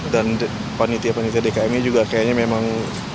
dan panitia panitia dkmnya juga kayaknya memang